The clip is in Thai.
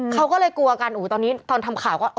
เขาก็เลยกลัวกันตอนนี้ตอนทำข่าวก็